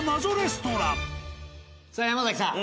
さあ山崎さん。